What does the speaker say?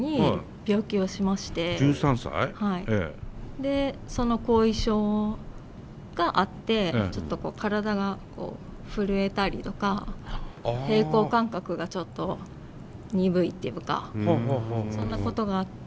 でその後遺症があってちょっと体が震えたりとか平衡感覚がちょっと鈍いっていうかそんなことがあって。